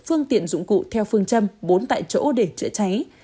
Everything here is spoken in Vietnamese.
phương tiện dụng cụ theo phương châm bốn tại chỗ để chữa cháy